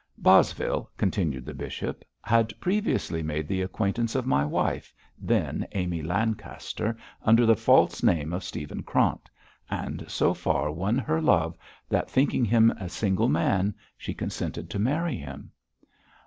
'Bosvile!' continued the bishop, 'had previously made the acquaintance of my wife, then Amy Lancaster, under the false name of Stephen Krant; and so far won her love that, thinking him a single man, she consented to marry him.'